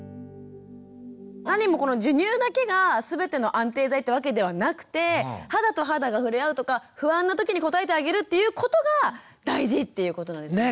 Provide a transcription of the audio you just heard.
何もこの授乳だけが全ての安定剤ってわけではなくて肌と肌が触れ合うとか不安な時に応えてあげるっていうことが大事っていうことなんですね。